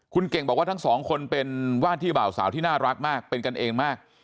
คุณเก่งบอกว่าทั้งสองคนเป็นว่าที่บ่าวสาวที่น่ารักมากเป็นกันเองมาก